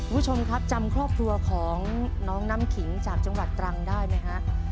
คุณผู้ชมครับจำครอบครัวของน้องน้ำขิงจากจังหวัดตรังได้ไหมฮะ